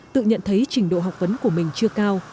tự nhận thấy trình độ học vấn của mình chưa cao